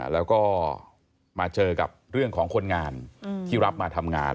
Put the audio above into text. แล้วก็มาเจอกับเรื่องของคนงานที่รับมาทำงาน